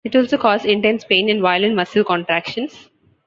It also caused intense pain and violent muscle contractions.